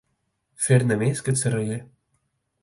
Fer-ne més que el Serraller.